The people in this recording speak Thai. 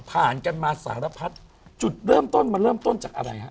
กันมาสารพัดจุดเริ่มต้นมันเริ่มต้นจากอะไรฮะ